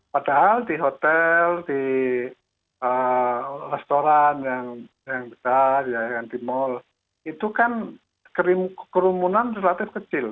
padahal di hotel di restoran yang besar yang di mal itu kan kerumunan relatif kecil